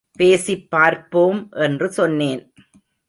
பேசிப் பார்ப்போம் என்று சொன்னேன்.